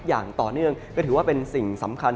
อย่างต่อเนื่องก็ถือว่าเป็นสิ่งสำคัญ